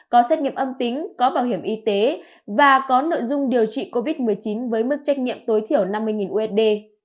có xét nghiệm âm tính có bảo hiểm y tế và có nội dung điều trị covid một mươi chín với mức trách nhiệm tối thiểu năm mươi usd